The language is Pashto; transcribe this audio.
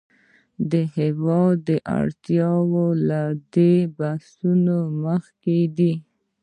د هېواد اړتیاوې له دې بحثونو مخکې دي.